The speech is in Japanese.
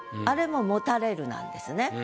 あれももたれるなんですね。